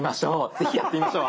是非やってみましょう。